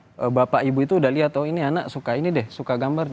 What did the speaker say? kalau bapak ibu itu udah lihat oh ini anak suka ini deh suka gambar deh